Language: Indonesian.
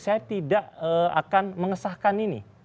saya tidak akan mengesahkan ini